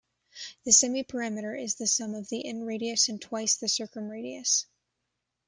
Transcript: The semiperimeter is the sum of the inradius and twice the circumradius.